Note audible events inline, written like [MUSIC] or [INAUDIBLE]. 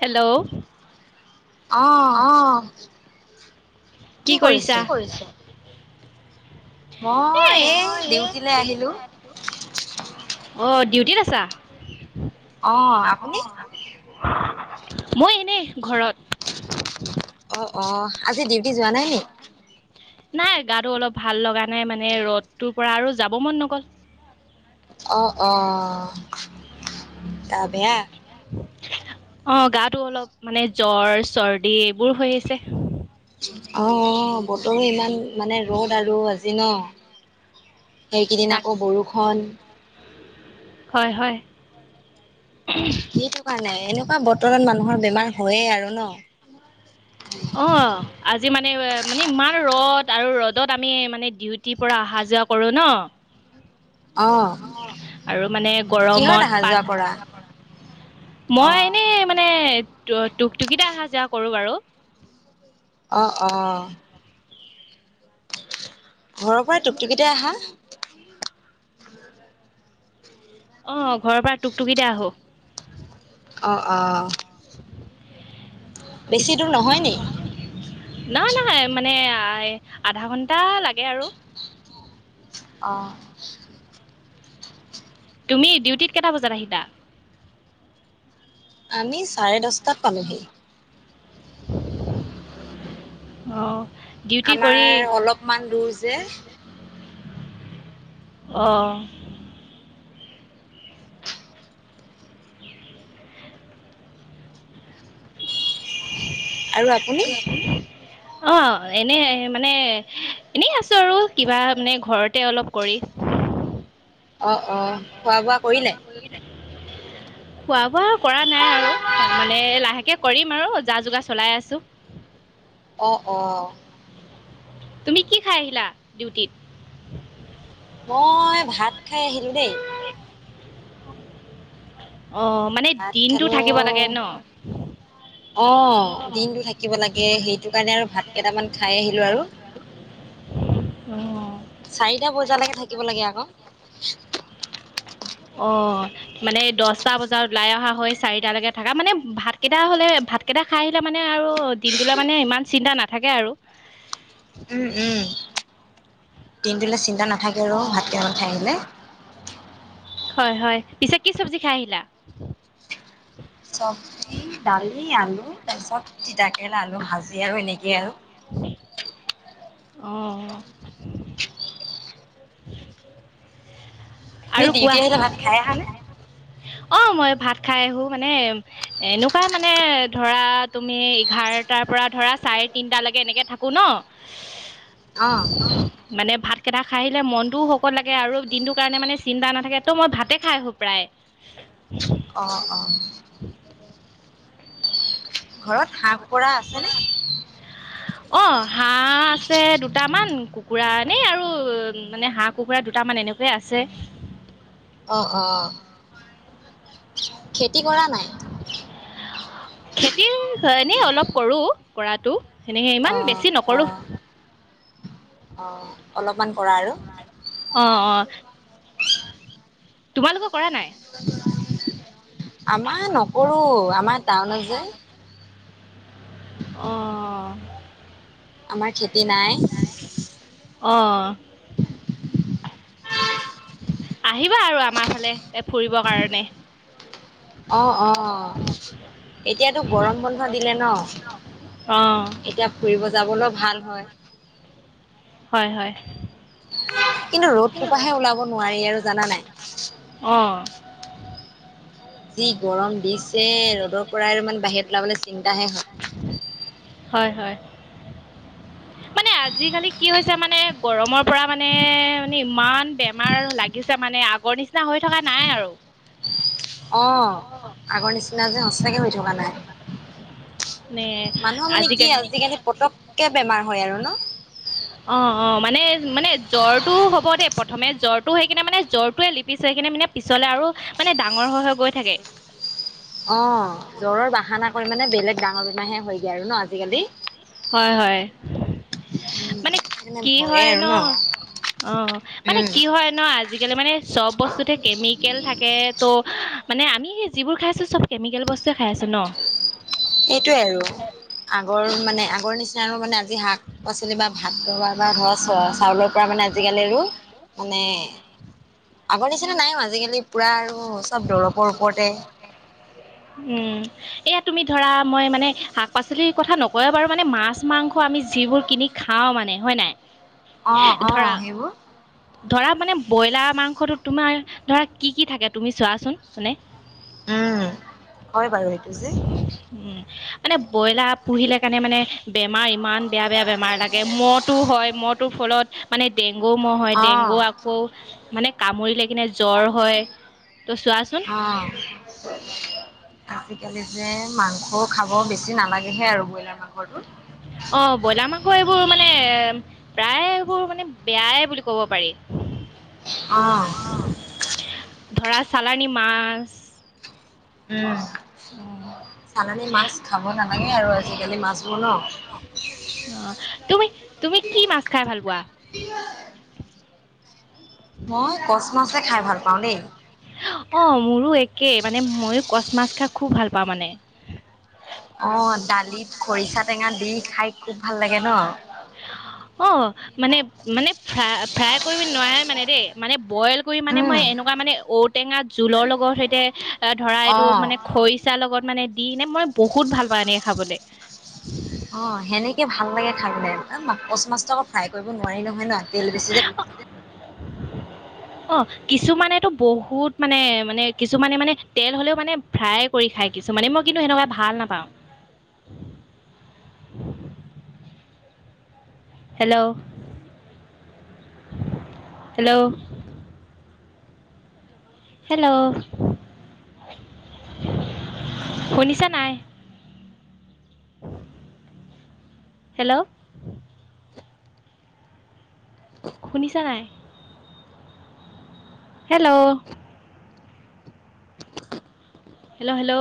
Hello অ', অহ কি কৰিছা কৰিছ এ মই এই দোই আো ডিউটিলে আহিলো। অ [INAUDIBLE] ডিউটিত আছা অ আপুনি মই এনে ঘৰত অ অ আজি ডিউটি যোৱা নাই নি নাই গাটো অলপ ভাল লগা নাই মানে ৰ'দটোৰ পৰা আৰু যাব মন নগল অ অ [UNINTELLIGIBLE] ত বেয়া অ গাটো অলপ মানে জ্বৰ চৰ্দি এইবোৰ হৈ আছে অ বতৰো ইমান মানে ৰ'দ আৰু আজি ন সেইকেইদিন তাক আকৌ বৰষুণ হয় হয় সেইটো কাৰণে এনেকুৱা বতৰত মানুহৰ বেমাৰ হয়য়ে আৰু ন অ আ জি মানে মানে ইমান ৰ'দ আৰু ৰ'দত আমি মানে ডিউটিৰ পৰা অহা যোৱা কৰো ন অ আৰু মানে কিহত গৰমত আহা পাল যোৱা কৰা? মই অ', এনেই মানে টকটকিতে অহা যোৱা কৰো বাৰু অ অ ঘৰৰ পৰাই টুকটুকিতে আহা অ ঘৰৰ পৰা টুক টুকিতে আহো অঁ অঁ বেছি দূৰ নহয় নি নহ নহয় মানে আধা ঘন্টা লাগে আৰু অঁ তুমি ডিউটিত কেইটা বজাত আহিবা আমি চাৰে দহটাত পালোহি অ ডিউটি আমাৰ কৰি অলপমান দূৰ যে অঁ আৰু আপুনি অঁ এনেই মানে এনেই আছোঁ আৰু কিবা মানে ঘৰতে অলপ কৰি [UNINTELLIGIBLE] অ অ খোৱা বোৱা কৰিলে [UNINTELLIGIBLE] খোৱা বোৱা কৰা নাই আৰু মানে লাহেকে কৰিম আৰু যা যোগাৰ চলাই আছো উ [UNINTELLIGIBLE] অ অ তুমি কি খাই আহিলা ডিউটিত মই ভাত খাই আহিলো দেই এক [INAUDIBLE] মানে ভাত দিনটো খালো থাকিব লাগে ন? অ', দিনতটো থাকিব লাগে সেইটো কাৰণে আৰু ভাত কেইটামান খাই আহিলো আৰু উ [INAUDIBLE] চাৰিটা বজালৈকে থাকিব লাগে আকৌ অ', মানে দহটা বজাত ওলাই অহা হৈ চাৰিটালৈকে থাকা মানে ভাতকেইটা হলে ভাতকেইটা খাই আহিলে মানে আৰু দিনটোলৈা মানে ইমান চিন্তা নাথাকে আৰু উম, উম দিনটোিললৈ চিন্তা নাথাকে ৰো ভাতকৈ ৰাঠাই আহিলে হয়, হয় পিছে কি চব্জি খাই আহিলা চব্জি দালি আলু তাৰ পিছত তিতাকেৰেলা আলু ভাজি আৰু এনেকেই আৰু [INAUDIBLE] উম তুমি আৰু ডিউটি কোৱা আহিলে ভাত খাই আহানে অ', মই ভাত খাই আহো মানে এনেকুৱাই মানে ধৰা তুমি এঘাৰ এঘাৰটাৰ পৰা ধৰা চাৰে তিনটা লৈ এনেকে থাকো ন অ মানে ভাত কেইটা খাই আহিলে মনটোও শকত লাগে আৰু দিনটোৰ কাৰণে মানে চিন্তা নাথাকে ত' মই ভাতে খাই আহো প্ৰায় অ অ [UNINTELLIGIBLE] ঘৰত হাঁহ কুকুৰা আছেনে অ', হাঁহ আছে দুটামান কুকুৰানেেই আৰু মানে হাঁহ কুকুৰা দুটামান এনে এনেকে আছে অ', অ', খেতি কৰা নাই খেতি এনেই অলপ কৰো কৰাতটো সেনেকে ইমান অ', বেছি নকৰো অ', অ', অলপমান কৰা আৰু অ', অ', তোমালোকৰ কৰা নাই আমাৰ নকৰো আমাৰ টাউনত যে অ', আমাৰ খেতি নাই অ', আহিবা আৰু আমাৰ ফালে ফুৰিবৰ কাৰণে অ', অ', এতিয়াতো গৰম বন্ধ দিলে ন অ', এতিয়া ফুৰিব যাবলৈ ভাল হয় হয়, হয় কিন্তু ৰ'দটোৰ পৰাহে ওলাব নোৱাৰি আৰু জানা নাই অ', যি গৰম দিছে ৰ'দৰ পৰাই ইমান বাহিৰত ওলাবলৈ চিন্তাহে হয় হয়, হয় মানে আজিকালি কি হৈছে মানে গৰমৰ পৰা মানে মানে ইমান বেমাৰ লাগিছে মানে আগৰ নিচিনা হৈ থকা নাই আৰু আহ আগৰ নিচিনা যে সচাকে হৈ থকা নাই নে মানুহৰ মানে কি আজিকালি পতককে বেমাৰ হয় আৰু ন অ', অ', মানে মানে জ্বৰটো হব দে প্ৰথমে জ্বৰটো সেই কিনে মানে জ্বৰটোৱে লিপি চ হৈ কিনে মানে পিছলে আৰু মানে ডাঙৰ হৈ, হৈ গৈ থাকে অ', জ্বৰ বাহানা কৰি মানে বেলেগ ডাঙৰ বিমাৰ হয়গৈ আৰু ন আজিকালি হয়, হয় মানে সেইকাৰণে কি ভয়ে হয় আৰু ন অ', মানে উম। কি হয় ন আজিকালি মানে চব বস্তুতে কেমিকেল থাকে ত মানে আমি সেই যিবোৰ খাইছো চব কেমিকেল বস্তুৱে খাই আছো ন এইটোৱে আৰু আগৰ মানে আগৰ নিচিনা মানে আজি শাক পাচলি বা ভাত ধৰক চাউলৰ পৰা মানে আজি কালিৰো মানে আগৰ নিচিনা নাই আজি কালি পুৰা আৰু চব দৰৱৰ ওপৰতে উম এয়া তুমি ধৰা মই মানে শাক পাচলিৰ কথা নকয় বাৰু মানে মাছ মাংস আমি যিবোৰ কিনি খাও মানে হয় নাই অ অ ধৰা সেইবোৰ ধৰা মানে ব্ৰইলাৰ মাংসটো তোমাৰ ধৰা কি কি থাকে তুমি চোৱাচোন মানে উম হয় বাৰু সেইটো যে উম মানে ব্ৰইলাৰ পুহিলে কাৰণে মানে বেমাৰ ইমান বেয়া বেয়া বেমাৰ লাগে মহটো হয় মহটোৰ ফলত মানে ডেংগু মহ হয় অ', ডেংগু গৌ আকৌ মানে কামুৰিলে কিনে জ্বৰ হয় ত' চোৱাচোন অ'। আজিকালি যে মাংস খাব বেছি নালাগেহে আৰু ব্ৰইলাৰ মাংসটো অ ব্ৰইলাৰ মাংস এইবোৰ মানে প্ৰায় এইবোৰ মানে বেয়াই বুলি কব পাৰি অ', আহ ধৰা চালানী মাছ উম অ চালানী মাছ খাব নালাগে আৰু আজিকালি মাছবোৰ ন অ তুমি তুমি কি মাছ খাই ভাল পোৱা মই কচ মাচে খাই ভাল পাওঁ দেই তাকে মানে মইয়ো কচ মাছ খাই খুব ভাল পাওঁ মানে অ দালিত খৰিচা টেঙা দি খাই খুব ভাল লাগে ন অ মানে মানে ফ্ৰাই কৰিব নোৱাৰে মানে দেই মানে বইল কৰি মানে উম মই এনেকুৱা মানে ঔটেঙা জোলৰ লগত সৈতে ধৰা অ এইটো মানে খৰিচা লগত মানে দি নে মই বহুত ভাল পাওঁ এনেকে খাবলৈ অ সেনেকে ভাল লাগে খাই পেলাই কচ মাছটো আকৌ ফ্ৰাই কৰিব নোৱাৰিল ন হয় ন তেল বেছি [UNINTELLIGIBLE] অ, কিছুমানেতটো বহুত মানে - মানে কিছুমানে মানে তেল হলেও মানে ফ্ৰাই কৰি খাই কিছু মানে মই কিন্তু সেনেকুৱা ভাল নাপাও। হেল্ল', - হেল্ল', হেল্ল', শুনিছা নাই? অ [INAUDIBLE] হেল্ল', শুনিছা নে নাই। Hello, hello, - hello,